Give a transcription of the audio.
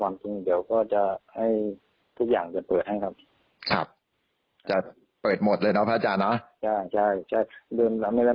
แล้วสัมภาษณ์ก็แจ้งไปแล้ว